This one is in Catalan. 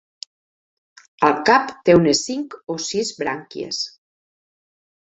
El cap té unes cinc o sis brànquies.